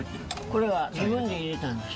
これは自分で入れたんです。